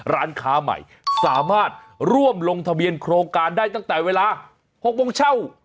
ร้านค้าใหม่สามารถร่วมลงทะเบียนโครงการได้ตั้งแต่เวลา๖โมงเช่า